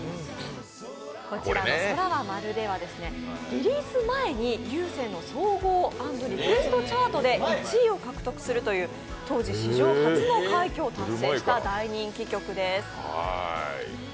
こちらの「空はまるで」は、リリース前にＵＳＥＮの総合＆リクエストチャートで１位を獲得するという当時史上初を達成した大人気曲です。